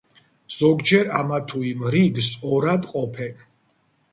ზოგჯერ ამა თუ იმ რიგს ორად ყოფენ.